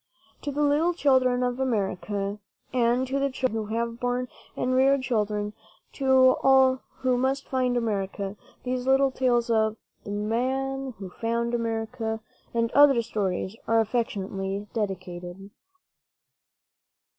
To the little children of America, and to the children who have borne and reared children, to all who must find America, these little tales of "The Man Who Found America" and other stories are affectionately dedicated.